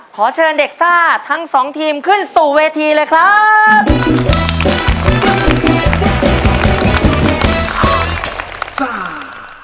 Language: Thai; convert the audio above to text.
ขอเชิญเด็กซ่าทั้งสองทีมขึ้นสู่เวทีเลยครับ